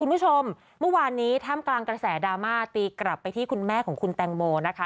คุณผู้ชมเมื่อวานนี้ท่ามกลางกระแสดราม่าตีกลับไปที่คุณแม่ของคุณแตงโมนะคะ